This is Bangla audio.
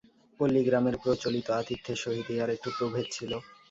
পল্লীগ্রামের প্রচলিত আতিথ্যের সহিত ইহার একটু প্রভেদ ছিল।